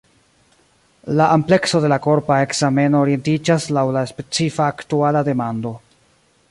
La amplekso de la korpa ekzameno orientiĝas laŭ la specifa aktuala demando.